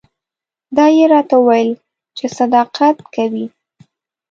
دا یې راته وویل چې ته صداقت کوې.